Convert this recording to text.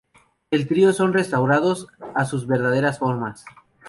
El trío son restaurados a sus verdaderas formas.